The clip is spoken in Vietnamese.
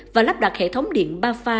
và lắp đặt hệ thống điện ba pha